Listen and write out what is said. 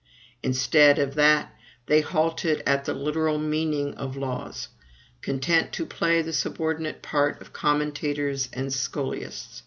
Instead of that, they halted at the literal meaning of the laws, content to play the subordinate part of commentators and scholiasts.